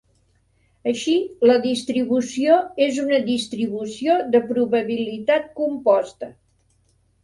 Així, la distribució és una distribució de probabilitat composta.